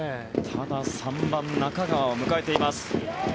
ただ３番、中川を迎えています。